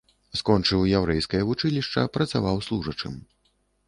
Скончыў яўрэйскае вучылішча, працаваў служачым.